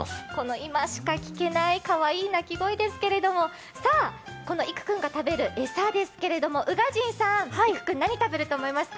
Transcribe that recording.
今しか聞けないかわいい鳴き声ですがこの育君が食べる餌ですけど、宇賀神さん、育君何食べると思いますか？